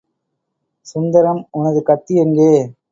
சுந்தரம், உனது கத்தி எங்கே?